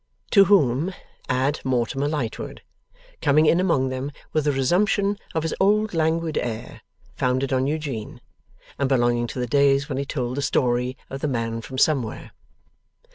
To whom, add Mortimer Lightwood, coming in among them with a reassumption of his old languid air, founded on Eugene, and belonging to the days when he told the story of the man from Somewhere.